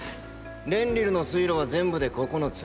レンリルの水路は全部で９つ。